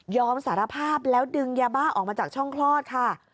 สารภาพแล้วดึงยาบ้าออกมาจากช่องคลอดค่ะ